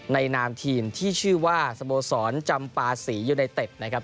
นามทีมที่ชื่อว่าสโมสรจำปาศรียูไนเต็ดนะครับ